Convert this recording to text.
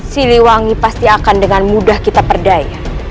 siliwangi pasti akan dengan mudah kita perdaya